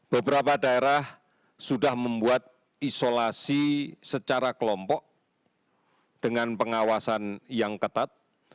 beberapa daerah sudah membuat isolasi secara kelompok dengan pengawasan yang ketat